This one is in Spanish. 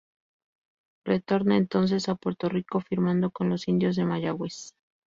Retorna entonces a Puerto Rico, firmando con los Indios de Mayagüez.